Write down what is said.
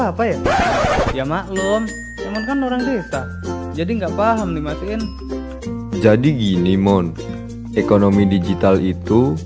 apa ya ya maklum memang kan orang desa jadi nggak paham nih mas in jadi gini mon ekonomi digital itu